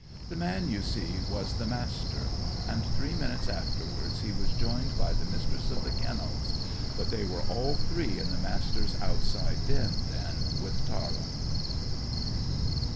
The man, you see, was the Master, and three minutes afterwards he was joined by the Mistress of the Kennels. But they were all three in the Master's outside den then with Tara.